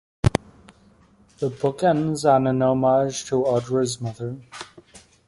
The book ends on a homage to Audre's mother.